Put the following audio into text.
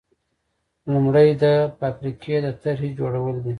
لومړی د فابریکې د طرحې جوړول دي.